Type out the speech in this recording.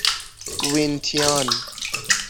وین تیان